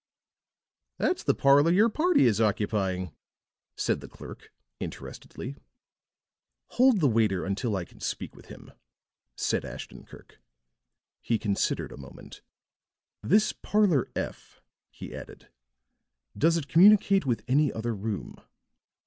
"That's the parlor your party is occupying," said the clerk, interestedly. "Hold the waiter until I can speak to him," said Ashton Kirk. He considered a moment. "This Parlor F," he added, "does it communicate with any other room?"